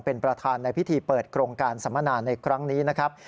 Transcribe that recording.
เป็นประธานในพิธีเปิดโครงการสัมมนาในครั้งนี้นะครับ